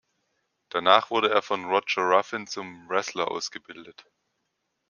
Danach wurde er von Roger Ruffin zum Wrestler ausgebildet.